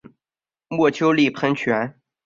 墨丘利喷泉。